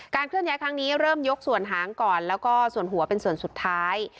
เคลื่อนย้ายครั้งนี้เริ่มยกส่วนหางก่อนแล้วก็ส่วนหัวเป็นส่วนสุดท้าย